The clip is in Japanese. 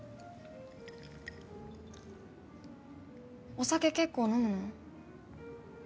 お酒結構飲むの？